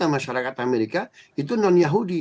jadi masyarakat amerika itu non yahudi